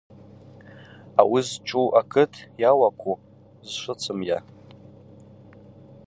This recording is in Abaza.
Ауи зчӏву акыт йауакву зшвыцымйа?